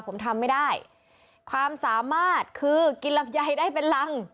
ผมทำไม่ได้ความสามารถคือกินลำไยได้เป็นรัง